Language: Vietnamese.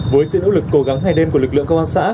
với sự nỗ lực cố gắng ngày đêm của lực lượng công an xã